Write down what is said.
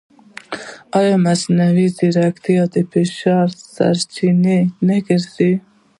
ایا مصنوعي ځیرکتیا د اقتصادي فشار سرچینه نه ګرځي؟